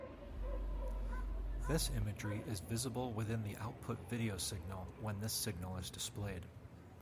This imagery is visible within the output video signal when this signal is displayed.